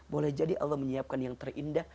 boleh jadi allah menyiapkan yang terindah